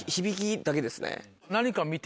何か見て？